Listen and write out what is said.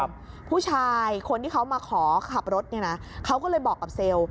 ผู้ชายคนที่เขามาขอขับรถเนี่ยนะเขาก็เลยบอกกับเซลล์